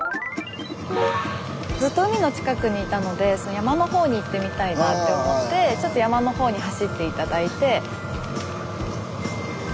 ずっと海の近くにいたので山の方に行ってみたいなあって思ってちょっと山の方に走って頂いて。